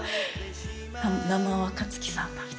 「生若槻さんだ」みたいになって。